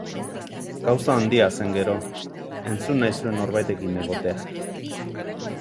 Gauza handia zen gero, entzun nahi zuen norbaitekin egotea.